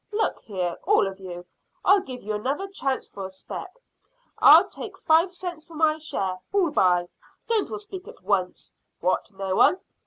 Look here, all of you; I'll give you another chance for a spec. I'll take five cents for my share. Who'll buy? Don't all speak at once. What, no one?